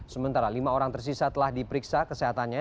sementara lima orang tersisa telah diperiksa kesehatannya